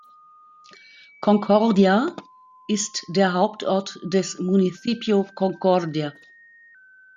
Concordia ist der Hauptort des Municipio Concordia.